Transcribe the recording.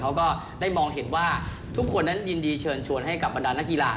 ก็ได้มองเห็นว่าทุกคนนั้นยินดีเชิญชวนให้กับบรรดานักกีฬา